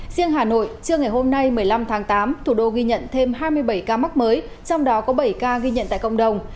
riêng hà nội trưa ngày hôm nay một mươi năm tháng tám thủ đô ghi nhận thêm hai mươi bảy ca mắc mới trong đó có bảy ca ghi nhận tại cộng đồng